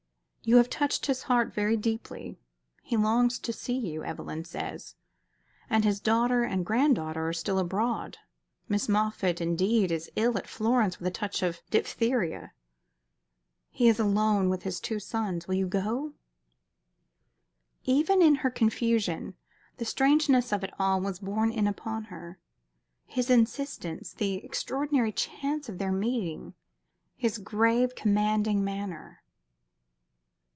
You have touched his heart very deeply. He longs to see her, Evelyn says. And his daughter and granddaughter are still abroad Miss Moffatt, indeed, is ill at Florence with a touch of diphtheria. He is alone with his two sons. You will go?" Even in her confusion, the strangeness of it all was borne in upon her his insistence, the extraordinary chance of their meeting, his grave, commanding manner.